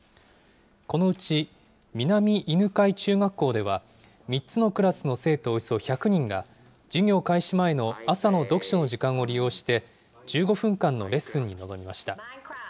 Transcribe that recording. このうち南犬飼中学校では、３つのクラスの生徒およそ１００人が、授業開始前の朝の読書の時間を利用して、１５分間のレッスンに臨みました。